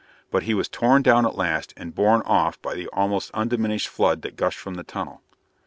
But he was torn down at last and borne off by the almost undiminished flood that gushed from the tunnel.